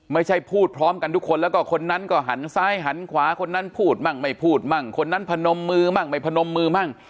ไม่ใช่พูดพร้อมกันทุกคนแล้วก็คนนั้นก็หันซ้ายหันขวาคนนั้นพูดมั่งไม่พูดมั่งคนนั้นพนมมือมั่งไม่พนมมือมั่ง